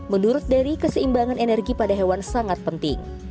menurut dari keseimbangan energi pada hewan sangat penting